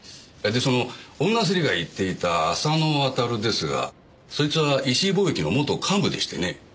でその女スリが言っていた浅野亘ですがそいつは石井貿易の元幹部でしてね。